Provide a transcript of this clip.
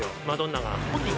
マドンナが。